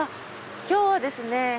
今日はですね